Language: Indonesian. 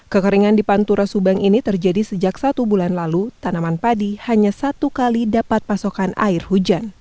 kekeringan di pantura subang ini terjadi sejak satu bulan lalu tanaman padi hanya satu kali dapat pasokan air hujan